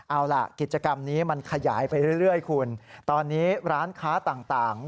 เอาล่ะกิจกรรมนี้มันขยายไปเรื่อยคุณตอนนี้ร้านค้าต่าง